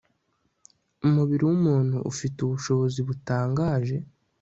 Umubiri wumuntu ufite ubushobozi butangaje